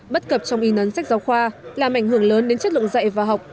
bất cập trong y nấn sách giáo khoa làm ảnh hưởng lớn đến chất lượng dạy và học